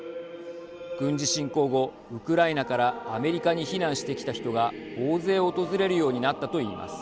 軍事侵攻後、ウクライナからアメリカに避難してきた人が大勢、訪れるようになったといいます。